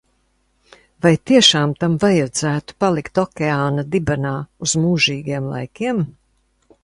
Vai tiešām tam vajadzētu palikt okeāna dibenā uz mūžīgiem laikiem?